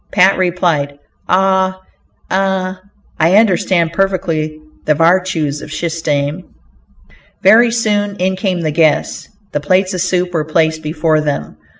Pat replied, "Ah! an' I understand parfectly the vartues of shystem." Very soon in came the guests. The plates of soup were placed before them.